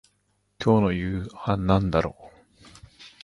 今日の夕飯なんだろう